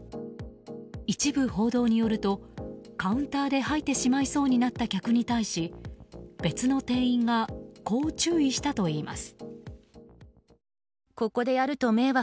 一部報道によるとカウンターで吐いてしまいそうになった客に対し別の店員がこう注意したといいます。